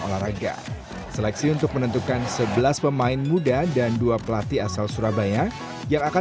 olahraga seleksi untuk menentukan sebelas pemain muda dan dua pelatih asal surabaya yang akan